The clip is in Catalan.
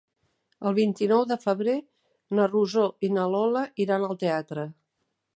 El vint-i-nou de febrer na Rosó i na Lola iran al teatre.